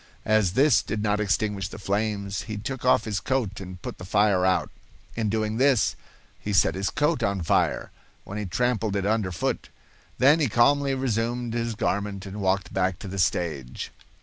As this did not extinguish the flames, he took off his coat and put the fire out. In doing this, he set his coat on fire, when he trampled it under foot. Then he calmly resumed his garment and walked back to the stage.